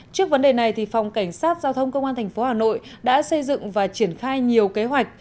trước vấn đề này phòng cảnh sát giao thông công an tp hà nội đã xây dựng và triển khai nhiều kế hoạch